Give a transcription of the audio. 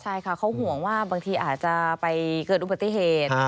ใช่ค่ะเขาห่วงว่าบางทีอาจจะไปเกิดอุบัติเหตุ